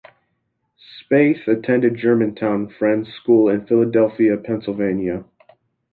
Spaeth attended Germantown Friends School in Philadelphia, Pennsylvania.